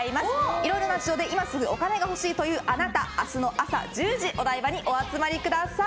いろいろな事情で今すぐお金が欲しいというあなた明日朝１０時お台場にお集まりください。